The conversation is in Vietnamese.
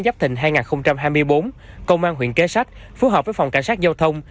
giáp thịnh hai nghìn hai mươi bốn công an huyện kế sách phù hợp với phòng cảnh sát giao thông